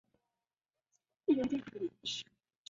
火星上的维诺格拉多夫撞击坑也以他的名字命名。